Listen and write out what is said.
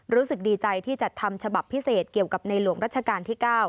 รู้สึกดีใจที่จัดทำฉบับพิเศษเกี่ยวกับในหลวงรัชกาลที่๙